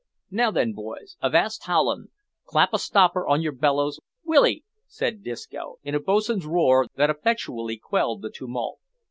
"Now, then, boys, avast howlin'. Clap a stopper on your bellows, will 'ee?" said Disco, in a boatswain's roar, that effectually quelled the tumult.